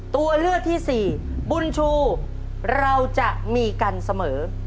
ตัวเลือกที่สี่บุญชูเราจะมีกันเสมอ